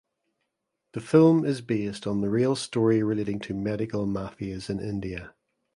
The film is based on the real story relating to medical mafias in India.